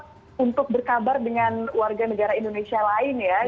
untuk berkabar dengan warga negara indonesia lain ya